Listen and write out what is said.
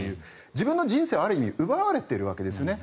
自分の人生を奪われているわけですね。